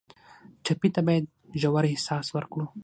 ټپي ته باید ژور احساس ورکړو.